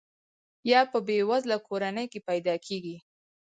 یا په بې وزله کورنۍ کې پیدا کیږي.